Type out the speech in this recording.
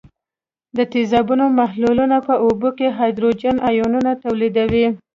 د تیزابونو محلولونه په اوبو کې هایدروجن آیونونه تولیدوي.